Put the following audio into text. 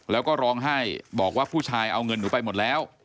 แล้วก็ร้องไห้บอกว่าผู้ชายเอาเงินหนูไปหมดแล้ว